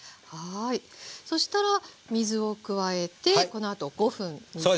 そしたら水を加えてこのあと５分煮ていきますね。